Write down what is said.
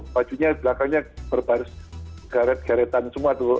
bajunya belakangnya berbaris garet garetan semua tuh